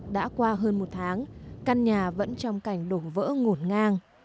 đã qua hơn một tháng căn nhà vẫn trong cảnh đổ vỡ ngổn ngang